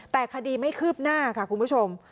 แต่คดีไม่คืบหน้าค่ะคุณผู้ชม